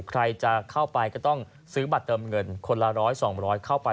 ใครจะเข้าไปก็ต้องซื้อบัตรเติมเงินคนละ๑๐๐๒๐๐เข้าไป